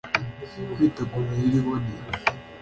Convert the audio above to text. kwita ku mirire iboneye